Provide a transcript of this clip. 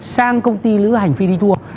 sang công ty lữ hành fiditur